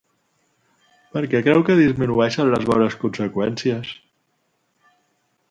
Per què creu que disminueixen les bones conseqüències?